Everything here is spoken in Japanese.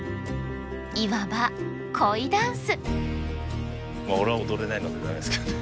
いわば「恋ダンス」！